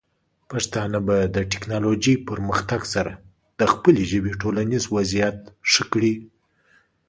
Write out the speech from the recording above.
پښتانه به د ټیکنالوجۍ پرمختګ سره د خپلې ژبې ټولنیز وضعیت ښه کړي.